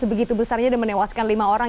misalnya menewaskan lima orang